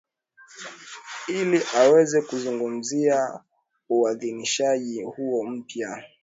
ili aweze kuzungumzia uidhinishaji huo mpya